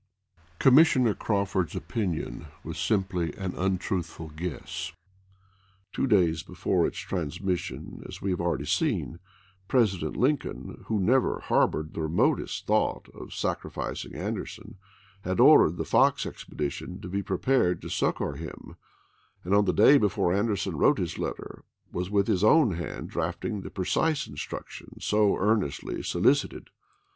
Commissioner Crawford's opinion was simply an untruthful guess. Two days before its transmis sion, as we have already seen, President Lincoln, who never harbored the remotest thought of sacri ficing Anderson, had ordered the Fox expedition to be prepared to succor him, and on the day before Anderson wrote his letter was with his own hand drafting the precise instruction so earnestly solicited.